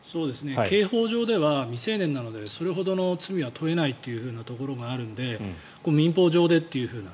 刑法上では、未成年なのでそれほどの罪は問えないというところがあるので民法上っていう。